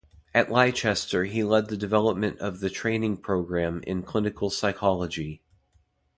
At Leicester he led the development of the training programme in clinical psychology.